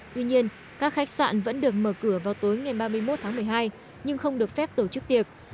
tuy nhiên các khách sạn vẫn được mở cửa vào tối ngày ba mươi một tháng một mươi hai nhưng không được phép tổ chức tiệc